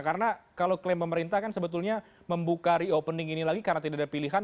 karena kalau klaim pemerintah kan sebetulnya membuka reopening ini lagi karena tidak ada pilihan